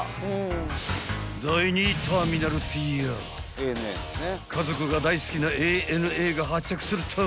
［第２ターミナルっていやぁ家族が大好きなＡＮＡが発着するターミナル］